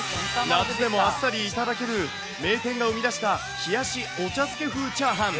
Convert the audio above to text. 夏でもあっさり頂ける、名店が生み出した冷しお茶漬け風チャーハン。